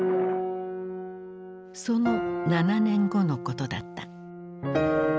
その７年後のことだった。